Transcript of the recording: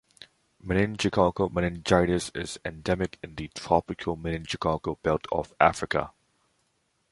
Meningococcal meningitis is endemic in the tropical meningococcal belt of Africa.